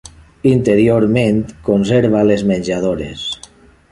Interiorment conserva les menjadores.